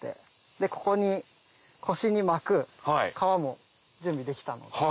でここに腰に巻く革も準備できたので。